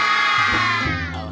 sampai di sini